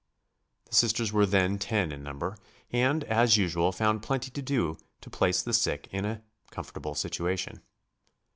The Sisters were then ten in number, and, as usual, found plenty to do to place the sick in a comfortable situation.